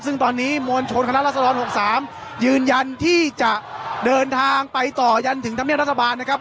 ซึ่งตอนนี้มวลชนคณะรัศดร๖๓ยืนยันที่จะเดินทางไปต่อยันถึงธรรมเนียบรัฐบาลนะครับ